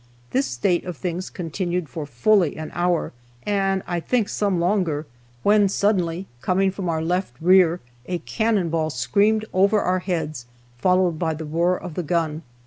This state of things continued for fully an hour, and I think some longer, when suddenly, coming from our left rear, a cannon ball screamed over our heads, followed by the roar of the gun.